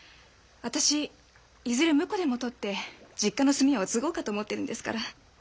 私いずれ婿でも取って実家の炭屋を継ごうかと思ってんですから。